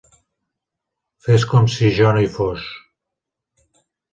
Fes com si jo no hi fos.